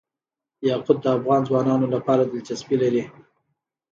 یاقوت د افغان ځوانانو لپاره دلچسپي لري.